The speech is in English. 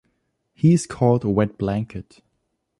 He is called a wet blanket.